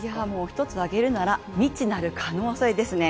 一つ挙げるなら、未知なる可能性ですね。